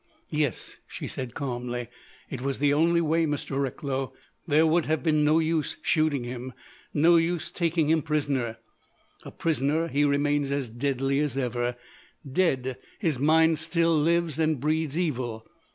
"Yes," she said calmly, "it was the only way, Mr. Recklow. There would have been no use shooting him—no use taking him prisoner. A prisoner, he remains as deadly as ever; dead, his mind still lives and breeds evil.